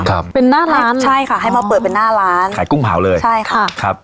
ครับเป็นหน้าร้านใช่ค่ะให้มาเปิดเป็นหน้าร้านขายกุ้งเผาเลยใช่ค่ะครับ